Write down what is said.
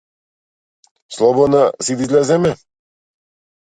Слободна си да излеземе?